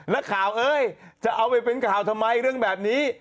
นักข่าวเอ้ยจะเอาไปเป็นข่าวทำไมเรื่องแบบนี้